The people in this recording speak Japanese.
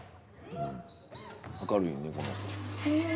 明るいねこの子。